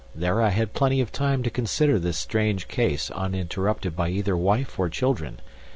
There I had plenty of time to consider this strange case uninterrupted by either wife or children.